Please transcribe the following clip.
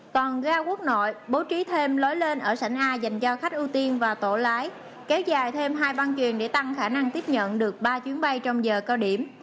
toàn ga quốc nội bố trí thêm lối lên ở sảnh a dành cho khách ưu tiên và tổ lái kéo dài thêm hai băng truyền để tăng khả năng tiếp nhận được ba chuyến bay trong giờ cao điểm